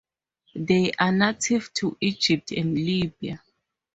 They are native to Egypt and Libya.